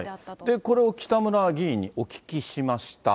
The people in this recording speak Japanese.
これを北村議員にお聞きしました。